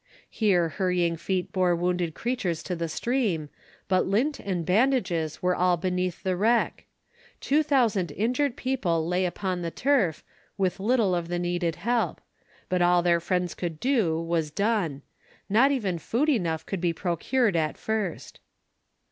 Here hurrying feet bore wounded creatures to the stream; but lint and bandages were all beneath the wreck. Two thousand injured people lay upon the turf, with little of the needed help; but all their friends could do was done. Not even food enough could be procured at first.